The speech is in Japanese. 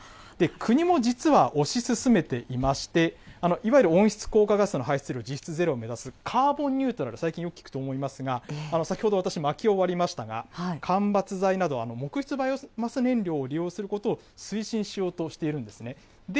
国も実は、推し進めていまして、いわゆる温室効果ガスの排出量実質ゼロを目指すカーボンニュートラル、最近、よく聞くと思いますが、先ほど私、まきを割りましたが、間伐材など、木質バイオマス燃料を利用することを推進しようとしているんですね。